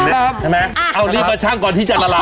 ใช่ไหมเอารีบมาชั่งก่อนที่จะละลาย